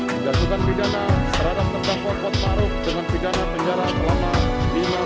menjagakan bidana serta menjaga kota paruk dengan bidana penjara selama lima belas tahun